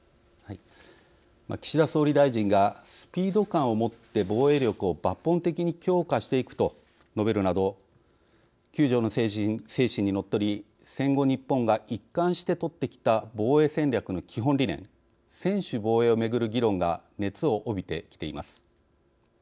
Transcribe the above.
岸田総理大臣が「スピード感を持って防衛力を抜本的に強化していく」と述べるなど９条の精神にのっとり戦後、日本が一貫して取ってきた防衛戦略の基本理念「専守防衛」をめぐる議論が熱を帯びてきています。